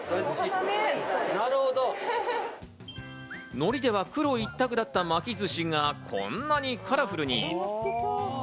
海苔では黒一択だった巻き寿司がこんなにカラフルに。